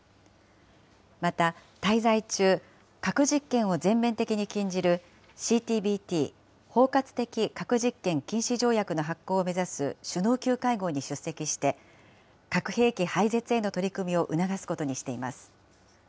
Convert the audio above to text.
また、滞在中、核実験を全面的に禁じる、ＣＴＢＴ・包括的核実験禁止条約の発効を目指す首脳級会合に出席して、核兵器廃絶への取り組みを促すことにしています。